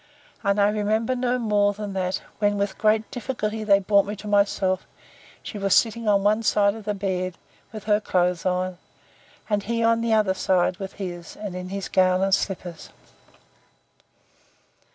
—And I remember no more, than that, when with great difficulty they brought me to myself, she was sitting on one side of the bed, with her clothes on; and he on the other with his, and in his gown and slippers.